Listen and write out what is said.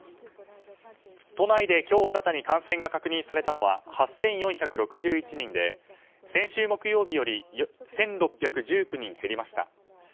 都内で今日新たに感染が確認されたのは８４６１人で先週木曜日より１６１９人減りました。